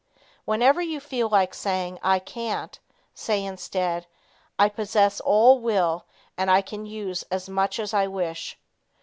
Whenever you feel like saying, "I can't," say instead, "I possess all will and I can use as much as I wish."